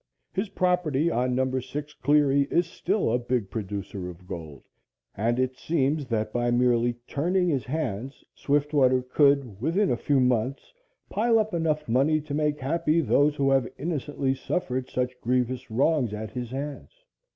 His property on Number 6 Cleary is still a big producer of gold, and it seems that by merely turning his hands, Swiftwater could, within a few months, pile up enough money to make happy those who have innocently suffered such grievous wrong at his hands.